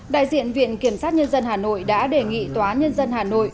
đại diện viện kiểm sát nhân dân hà nội đã đề nghị tòa nhân dân hà nội